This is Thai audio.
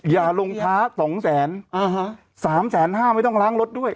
อย่าลงท้า๒แซน๓แซนห้าไม่ต้องล้างรถด้วย